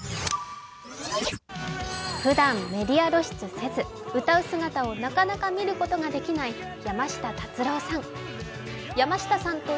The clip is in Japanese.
ふだん、メディア露出せず歌う姿をなかなか見ることができない山下達郎さん。